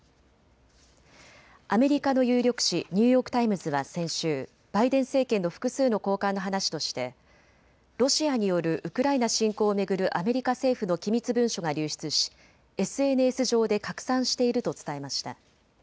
アメリカの有力紙、ニューヨーク・タイムズは先週、バイデン政権の複数の高官の話としてロシアによるウクライナ侵攻を巡るアメリカ政府の機密文書が流出しＳＮＳ上で拡散していると伝えました。